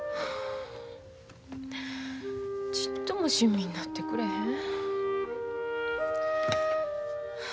ちっとも親身になってくれへん。